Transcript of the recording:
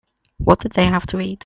What did they have to eat?